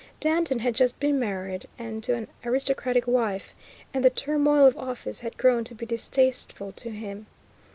Danton had just been married, and to an aristocratic wife, and the turmoil of office had grown to be distasteful to him.